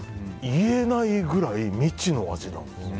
言えないぐらい未知の味なんですよ。